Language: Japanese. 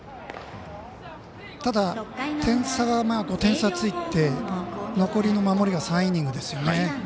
ただ、点差は５点差ついて残りの守りが３イニングですよね。